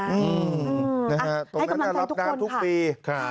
ให้กำลังใจทุกคนค่ะนะครับตรงนั้นรับการทุกปี